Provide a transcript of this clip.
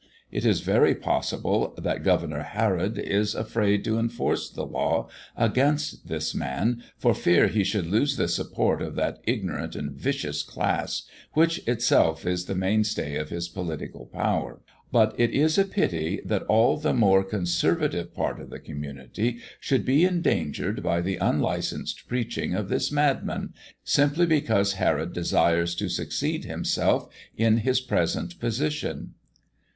It is very possible that Governor Herod is afraid to enforce the law against this man, for fear he should lose the support of that ignorant and vicious class which itself is the mainstay of his political power. But it is a pity that all the more conservative part of the community should be endangered by the unlicensed preaching of this madman, simply because Herod desires to succeed himself in his present position."